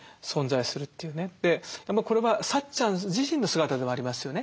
これはサッチャン自身の姿でもありますよね。